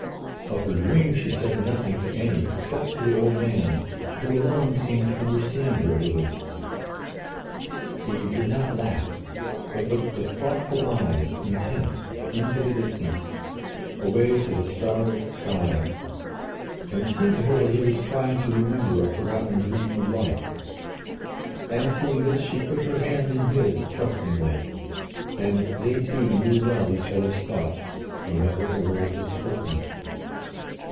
Of her dream she said nothing to any except to the old man who alone seemed to understand her a little. He did not laugh, but looked with thoughtful eyes intent, into the distance, away to the starlit sky, and it seemed to her that he also was trying to remember a forgotten dream of life. And seeing this she put her hand in his trustingly, and they two knew well each other's thoughts though never a word was spoken.